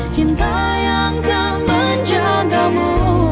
cinta yang akan menjagamu